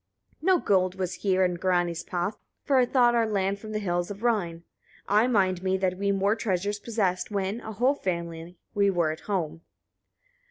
14. "No gold was here in Grani's path, far I thought our land from the hills of Rhine. I mind me that we more treasures possessed, when, a whole family, we were at home.